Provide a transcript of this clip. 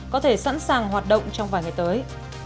có thể sẵn sàng hoạt động trong vài ngày tới